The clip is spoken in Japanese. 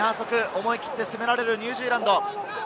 思い切って攻められる、ニュージーランド。